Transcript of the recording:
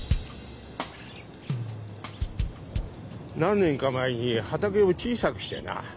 何年か前に畑を小さくしてな。